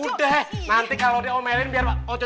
udah nanti kalau diomelin biar pak ocu